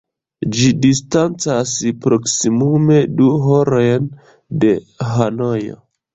Ĝi distancas proksimume du horojn de Hanojo.